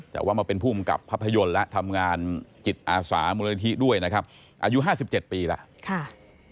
แต่ว่ามาเป็นภูมิกับภาพยนตร์และทำงานจิตอาสามูลนิธิด้วยนะครับอายุ๕๗ปีแล้ว